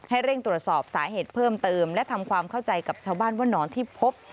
เร่งตรวจสอบสาเหตุเพิ่มเติมและทำความเข้าใจกับชาวบ้านว่านอนที่พบ